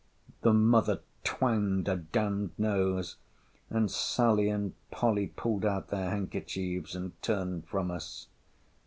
The mother twanged her d—n'd nose; and Sally and Polly pulled out their handkerchiefs, and turned from us.